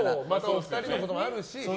お二人のこともあるし。